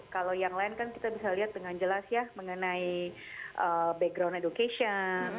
kalau yang lain kan kita bisa lihat dengan jelas ya mengenai background education